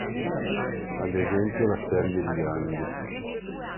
Ad esempio la serie di Grandi.